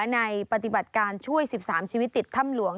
ปฏิบัติการช่วย๑๓ชีวิตติดถ้ำหลวง